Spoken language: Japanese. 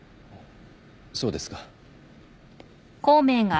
そうですか。